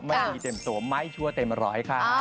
ไม่ดีเต็มตัวไม่ชั่วเต็มร้อยค่ะ